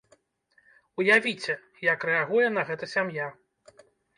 Уявіце, як рэагуе на гэта сям'я.